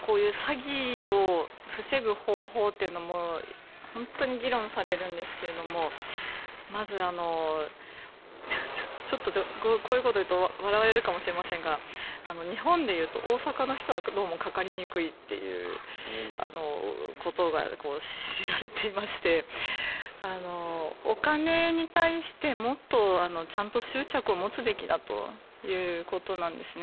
こういう詐欺を防ぐ方法というのも本当に議論されるんですがまずちょっとこういうこと言うと笑われるかもしれませんが日本でいうと大阪の人はどうもかかりにくいということが知られていましてお金に対してもっとちゃんと執着を持つことだということなんですね。